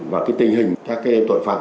và tình hình các tội phạm